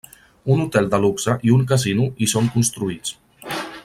Un hotel de luxe i un casino hi són construïts.